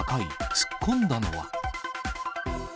突っ込んだのは？